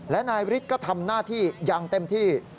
และนายฤทธิ์ก็ทำหน้าที่อย่างเต็มที่